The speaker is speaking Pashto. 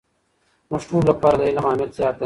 زموږ ټولو لپاره د علم اهمیت زیات دی.